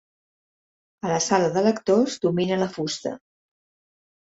A la sala de lectors domina la fusta.